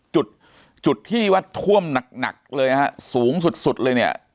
จุดจุดที่ว่าท่วมหนักเลยนะฮะสูงสุดสุดเลยเนี่ย